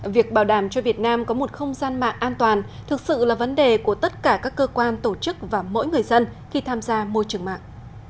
việc bảo đảm cho việt nam có một không gian mạng an toàn thực sự là vấn đề của tất cả các cơ quan tổ chức và mỗi người dân khi tham gia môi trường mạng